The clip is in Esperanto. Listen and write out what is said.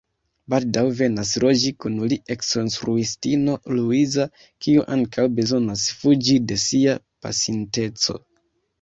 Baldaŭ venas loĝi kun li eksinstruistino Luiza, kiu ankaŭ bezonas fuĝi de sia pasinteco.